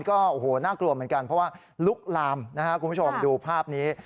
ก็ชอบดูเหมือนกันเพราะว่าลุกลามคุณผู้ชมดูภาพนี้